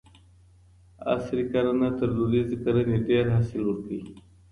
عصري کرنه تر دودیزې کرني ډیر حاصل ورکوي.